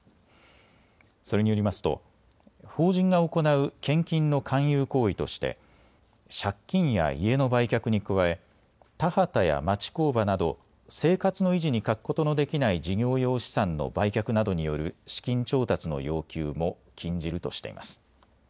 それによりますと法人が行う献金の勧誘行為として借金や家の売却に加え、田畑や町工場など生活の維持に欠くことのできない事業用資産の売却などによる資金調達の要求も禁じるとしています。